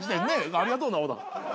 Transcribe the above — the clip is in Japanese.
ありがとうな小田。